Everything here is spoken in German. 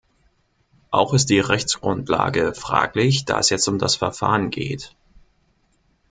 Auch ist die Rechtsgrundlage fraglich, da es jetzt um das Verfahren geht.